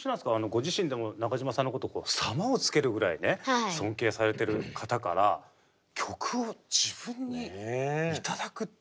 ご自身でも中島さんのこと「様」を付けるぐらい尊敬されてる方から曲を自分に頂くってどういう？